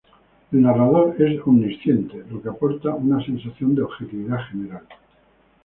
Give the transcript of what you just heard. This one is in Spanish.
El narrador es omnisciente, lo que aporta una sensación de objetividad general.